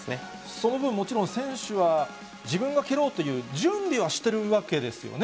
その分、もちろん選手は自分が蹴ろうという、準備はしてるわけですよね。